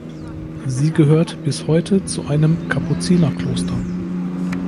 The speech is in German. Sie gehört bis heute zu einem Kapuzinerkloster.